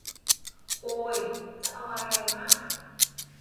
โอย จะเอาอะไรมาก